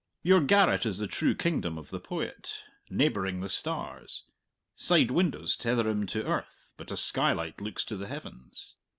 Your garret is the true kingdom of the poet, neighbouring the stars; side windows tether him to earth, but a skylight looks to the heavens.